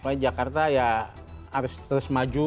pokoknya jakarta ya harus terus maju